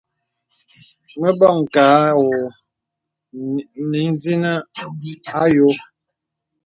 Mə̀ bɔŋ kà ɔ̄ɔ̄ nə ìzìnə àyɔ̄.